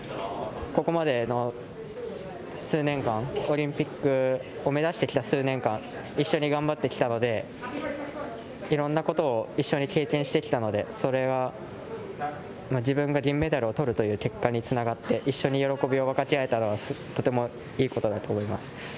ここまでの数年間、オリンピックを目指してきた数年間、一緒に頑張ってきたので、いろんなことを一緒に経験してきたので、それは自分が銀メダルを取るという結果につながって、一緒に喜びを分かち合えたのは、とてもいいことだと思います。